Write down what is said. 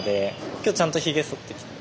今日ちゃんとひげそってきて。